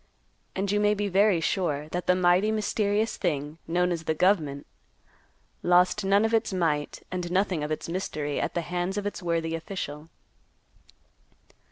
And you may be very sure that the mighty mysterious thing known as the "gov'ment" lost none of its might, and nothing of its mystery, at the hands of its worthy official.